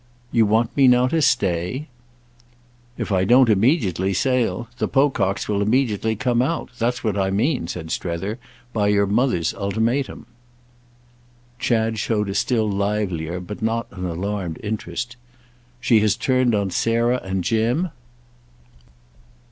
"You want me now to 'stay'?" "If I don't immediately sail the Pococks will immediately come out. That's what I mean," said Strether, "by your mother's ultimatum." Chad showed a still livelier, but not an alarmed interest. "She has turned on Sarah and Jim?"